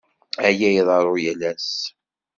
Aya iḍerru yal ass.